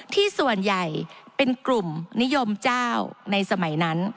ที่ส่วนใหญ่เป็นกลุ่มนิยมเจ้าในสมัยนั้น